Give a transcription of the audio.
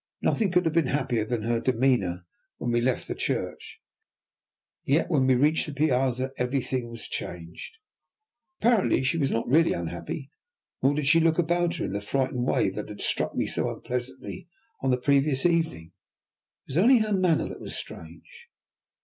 Nothing could have been happier than her demeanour when we left the church, yet when we reached the piazza everything was changed. Apparently she was not really unhappy, nor did she look about her in the frightened way that had struck me so unpleasantly on the previous evening. It was only her manner that was strange.